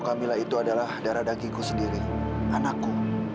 camilla itu adalah darah dagingku sendiri anakku